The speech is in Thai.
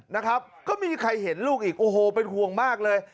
นะครับก็ไม่มีใครเห็นลูกอีกโอ้โหเป็นห่วงมากเลย